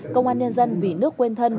công an nhân dân vì nước quên thân